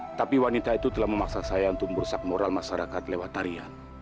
tetapi wanita itu telah memaksa saya untuk merusak moral masyarakat lewat tarian